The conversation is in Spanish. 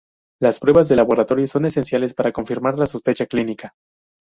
Las pruebas de laboratorio son esenciales para confirmar la sospecha clínica.